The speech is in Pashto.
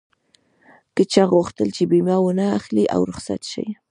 که چا غوښتل چې بيمه و نه اخلي او رخصت شم.